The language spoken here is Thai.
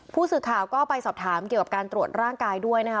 ผู้สื่อข่าวก็ไปสอบถามเกี่ยวกับการตรวจร่างกายด้วยนะคะ